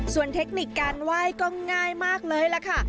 ส่วนเทคนิคการไหว้ก็ง่ายมากเลยล่ะค่ะ